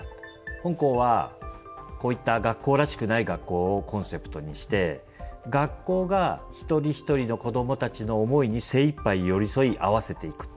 本校はこういった学校らしくない学校をコンセプトにして学校が一人一人の子どもたちの思いに精いっぱい寄り添い合わせていく。